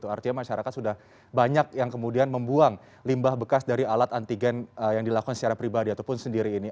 artinya masyarakat sudah banyak yang kemudian membuang limbah bekas dari alat antigen yang dilakukan secara pribadi ataupun sendiri ini